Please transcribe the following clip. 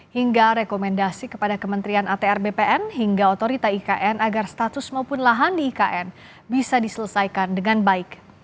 hingga rekomendasi kepada kementerian atr bpn hingga otorita ikn agar status maupun lahan di ikn bisa diselesaikan dengan baik